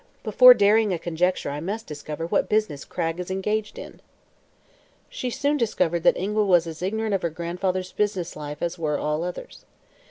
Before daring a conjecture I must discover what business Cragg is engaged in." She soon discovered that Ingua was as ignorant of her grandfather's business life as were all others.